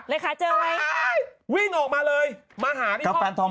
เลขาเจอไหมอ้าววิ่งออกมาเลยมาหาที่ห้อง